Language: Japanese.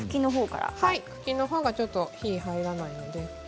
茎のほうが火が入らないので。